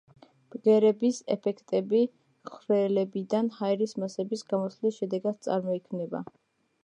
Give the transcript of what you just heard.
ბგერების ეფექტები ხვრელებიდან ჰაერის მასების გამოსვლის შედეგად წარმოიქმნება.